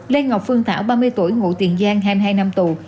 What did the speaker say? lê ngọc phương thảo ba mươi tuổi ngụ tiền giang hai mươi hai năm tù